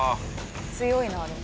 強いなでも。